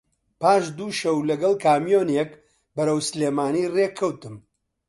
پاش دوو شەو لەگەڵ کامیۆنێک بەرەو سلێمانی ڕێ کەوتم